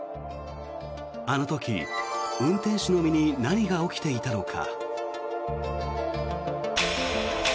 あの時、運転手の身に何が起きていたのか。